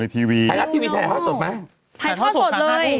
ไทรัตทีวีถ่ายท่อสดไหม